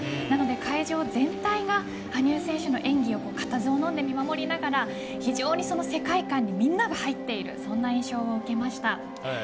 なので、会場全体が羽生選手の演技を固唾をのんで見守りながら非常にその世界観にみんなが入っているそんな印象を受けました。